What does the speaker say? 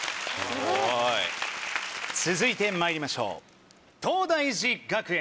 続いてまいりましょう東大寺学園。